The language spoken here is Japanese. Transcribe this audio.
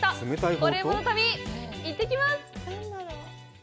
「コレうまの旅」、行ってきます！